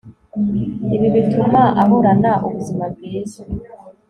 ibi bituma ahorana ubuzima bwiza